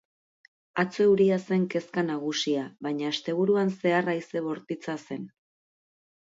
Atzo euria zen kezka nagusia, baina asteburuan zehar haize bortitza zen.